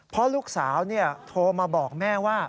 เพราะลูกสาวโทรมาบอกแม่ว่า